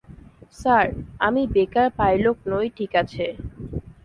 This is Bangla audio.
স্যার, আমি বেকার পাইলট নই ঠিক আছে!